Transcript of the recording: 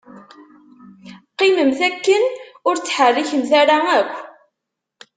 Qqimemt akken ur ttḥerrikemt ara akk.